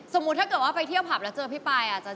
สมมุติถ้าเกิดว่าไปเที่ยวผักแล้วเจอพี่ปายอ่ะ